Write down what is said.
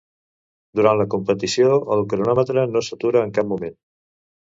Durant la competició, el cronòmetre no s'atura en cap moment.